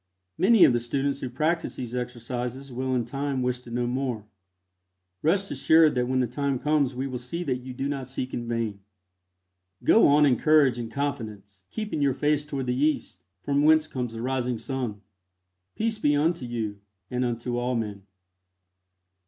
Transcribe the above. Many of the students who practice these exercises will in time wish to know more. Rest assured that when the time comes we will see that you do not seek in vain. Go on in courage and confidence, keeping your face toward the East, from whence comes the rising Sun. Peace be unto you, and unto all men.